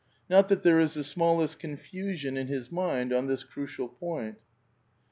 N'ot that there is the smallest confusion in his mind on this crucial point